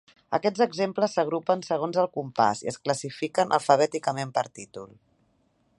Aquests exemples s'agrupen segons el compàs i es classifiquen alfabèticament per títol.